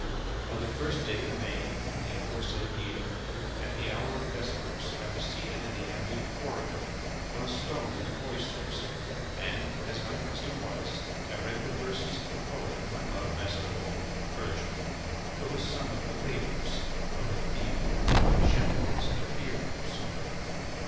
On the first day of May in the aforesaid year, at the hour of vespers, I was seated in the Abbey of Corrigan on a stone in the cloisters and, as my custom was, I read the verses of the poet whom I love best of all, Virgil, who has sung of the labours: of the field, of shepherds, and of heroes.